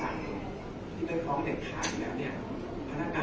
ที่ก็มีทั้งหมดเนี่ยทั้งหมดเนี่ยสำรวจการสอบตัวก่อนนะครับ